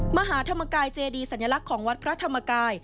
มหาธรรมกายเจดีสัญลักษณ์ของวัดพระธรรมกาย